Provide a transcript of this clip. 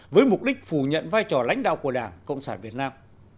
với mục đích phủ nhận vai trò lãnh đạo của đảng cộng sản việt nam